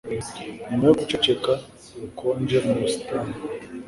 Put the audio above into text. Nyuma yo guceceka ubukonje mu busitani